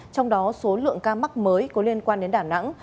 trong đó số lượng ca mắc mới có liên quan đến đà nẵng